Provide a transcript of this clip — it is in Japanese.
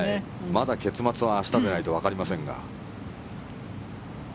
まだ結末は明日にならないとわかりませんが。